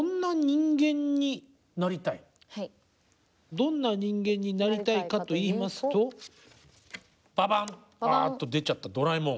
どんな人間になりたいかといいますとババンあっと出ちゃったドラえもん。